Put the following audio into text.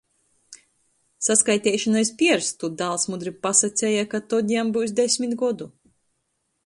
Saskaiteišona iz pierstu, dāls mudri pasaceja, ka tod jam byus desmit godu.